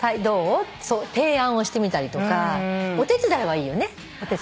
提案をしてみたりとかお手伝いはいいよね。